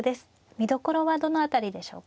見どころはどの辺りでしょうか。